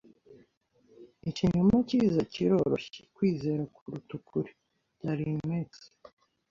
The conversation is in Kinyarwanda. Ikinyoma cyiza kiroroshye kwizera kuruta ukuri. (darinmex)